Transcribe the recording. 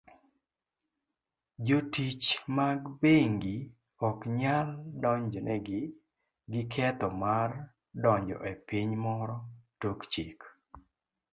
Jotich mag bengi oknyal donjnegi gi ketho mar donjo e piny moro tok chik.